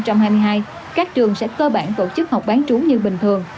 tới đầu tháng ba năm hai nghìn hai mươi hai các trường sẽ cơ bản tổ chức học bán trú như bình thường